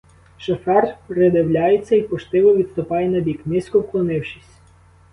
Шофер придивляється й поштиво відступає набік, низько вклонившись.